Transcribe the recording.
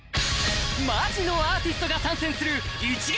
マジのアーティストが参戦する一撃！